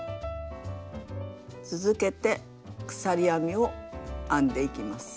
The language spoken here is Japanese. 続けて鎖編みを編んでいきます。